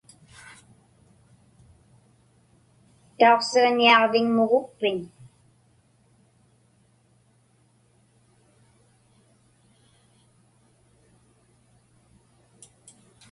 Tauqsiġñiaġviŋmugukpiñ?